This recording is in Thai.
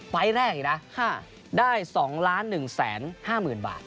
ไฟล์แรกอีกนะได้๒๑๕๐๐๐บาท